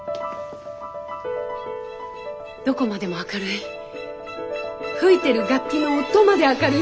どこまでも明るい吹いてる楽器の音まで明るい